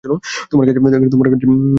তোমার কাছেই আমি এসেছিলুম।